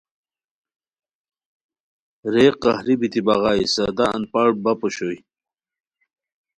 رے قہری بیتی بٰغائے، سادہ ان پڑھ بپ اوشوئے